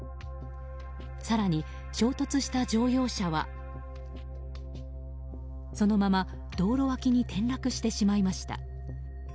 更に衝突した乗用車はそのまま、道路脇に転落してしまいました。